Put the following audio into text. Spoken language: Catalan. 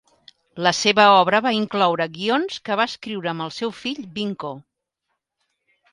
La seva obra va incloure guions que va escriure amb el seu fill Vinko.